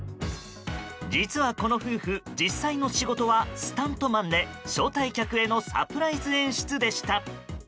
実はこの夫婦実際の仕事はスタントマンで招待客へのサプライズ演出でした。